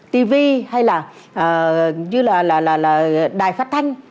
tivi hay là như là là là là đài phát thanh